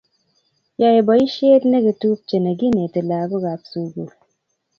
yoe boishet negetupche negineti lagookab sugul